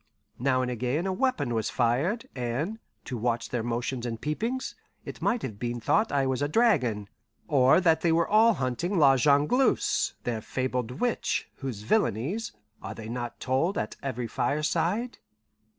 Now and again a weapon was fired, and, to watch their motions and peepings, it might have been thought I was a dragon, or that they all were hunting La Jongleuse, their fabled witch, whose villainies, are they not told at every fireside?